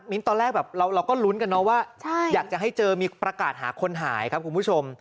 ตอนแรกแบบเราก็ลุ้นกันเนาะว่าอยากจะให้เจอมีประกาศหาคนหายครับคุณผู้ชม